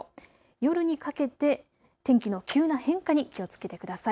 夜にかけて天気の急な変化に気をつけてください。